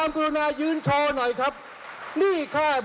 ลุกกันอยู่หน่อยครับ